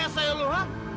lese lu hah